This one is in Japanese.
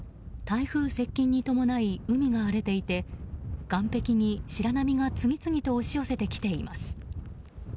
台風接近に伴い、海が荒れていて岸壁に白波が次々と押し寄せてきています。